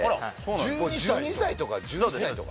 １２歳とか１１歳とか。